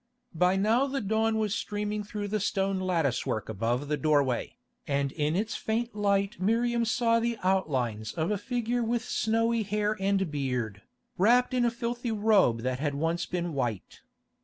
By now the dawn was streaming through the stone lattice work above the doorway, and in its faint light Miriam saw the outlines of a figure with snowy hair and beard, wrapped in a filthy robe that had once been white.